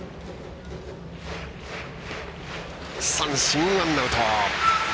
三振、ワンアウト。